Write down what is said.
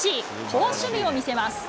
好守備を見せます。